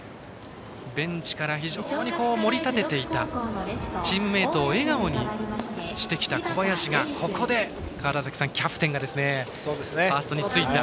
ベンチから非常に盛り立てていたチームメートを笑顔にしてきた小林が川原崎さん、ここでキャプテンがファーストについた。